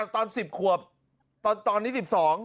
ตอน๑๐ขวบตอนนี้๑๒